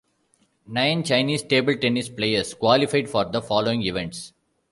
Nine Chinese table tennis players qualified for the following events.